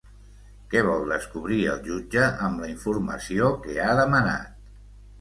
Què vol descobrir el jutge amb la informació que ha demanat?